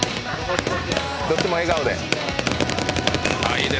どっちも笑顔で。